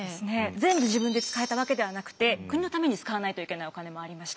全部自分で使えたわけではなくて国のために使わないといけないお金もありました。